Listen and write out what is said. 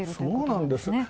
そうなんです。